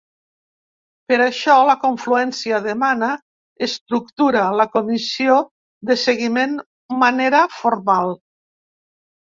Per això, la confluència demana estructura la comissió de seguiment manera formal.